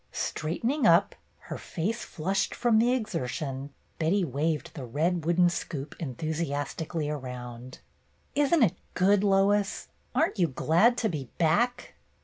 Straightening up, her face flushed from the exertion, Betty waved the red wooden scoop enthusiastically around. '' Is n't it good, Lois ! Are n't you glad to be back?"